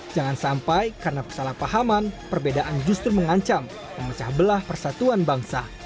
jangan sampai karena kesalahpahaman perbedaan justru mengancam memecah belah persatuan bangsa